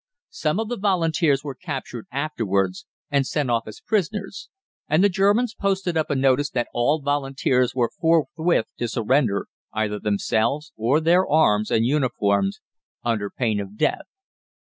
Some of the Volunteers were captured afterwards and sent off as prisoners, and the Germans posted up a notice that all Volunteers were forthwith to surrender either themselves or their arms and uniforms, under pain of death.